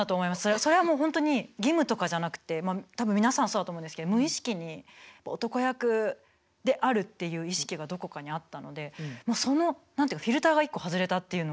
それはもうほんとに義務とかじゃなくて多分皆さんそうだと思うんですけど無意識に男役であるっていう意識がどこかにあったのでもうそのフィルターが一個外れたっていうのが。